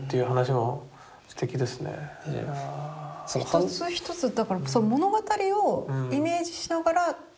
一つ一つだからその物語をイメージしながら選んだ。